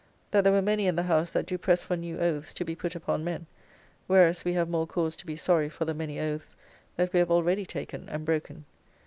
That there were many in the House that do press for new oaths to be put upon men; whereas we have more cause to be sorry for the many oaths that we have already taken and broken.